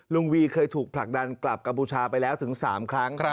ลุงวีเคยถูกผลักดันกลับกัมพูชาไปแล้วถึง๓ครั้ง